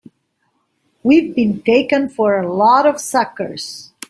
We've been taken for a lot of suckers!